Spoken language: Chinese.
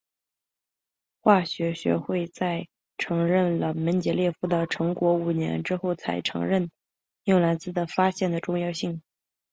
化学学会在承认了门捷列夫的成果五年之后才承认纽兰兹的发现的重要性。